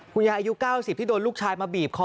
อายุ๙๐ที่โดนลูกชายมาบีบคอ